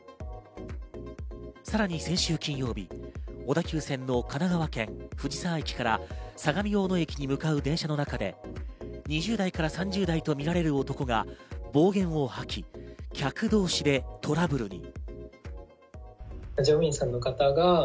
さらに先週金曜日、小田急線の神奈川県藤沢駅から相模大野駅に向かう電車の中で、２０代３０代とみられる男が暴言を吐き、客同士でトラブルに。